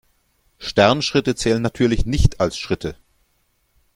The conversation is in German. Sternschritte zählen natürlich nicht als Schritte.